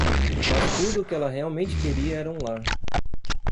Mas tudo o que ela realmente queria era um lar.